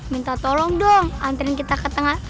minta tolong dong anterin kita ke tengah danau